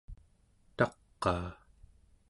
taqaa